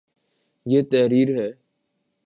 یہ تحریر ہے